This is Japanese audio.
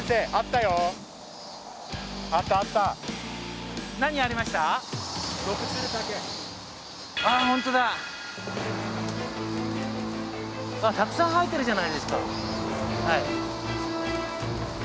たくさん生えてるじゃないですか。